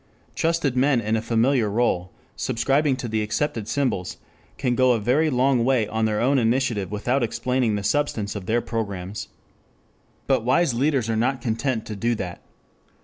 Trusted men in a familiar role subscribing to the accepted symbols can go a very long way on their own initiative without explaining the substance of their programs. But wise leaders are not content to do that.